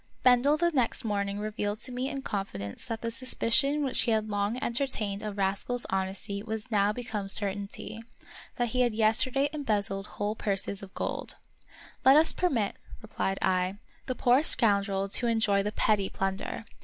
Bendel the next morning revealed to me in confidence that the suspicion which he had long entertained of Rascal's honesty was now become certainty ; that he had yesterday embezzled whole purses of gold. " Let us permit," replied I, " the poor scoundrel to enjoy the petty plunder.